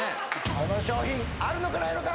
この商品あるのかないのか？